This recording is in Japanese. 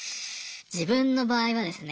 自分の場合はですね